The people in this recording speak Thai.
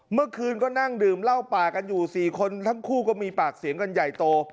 เมื่อคืนก็นั่งดื่มเหล้าป่ากันอยู่๔คนทั้งคู่ก็มีปากเสียงกันใหญ่โต